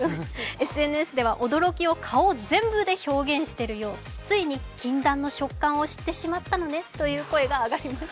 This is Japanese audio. ＳＮＳでは、驚きを顔全部で表現しているよう、ついに禁断の食感を知ってしまったのねという声が上がりました。